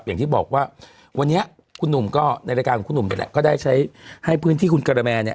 อย่างที่บอกว่าวันนี้คุณหนุ่มก็ในรายการของคุณหนุ่มนี่แหละก็ได้ใช้ให้พื้นที่คุณกระแมนเนี่ย